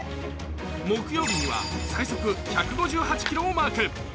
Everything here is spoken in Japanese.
木曜日には最速１５８キロをマーク。